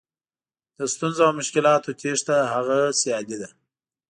له ستونزو او مشکلاتو تېښته هغه سیالي ده.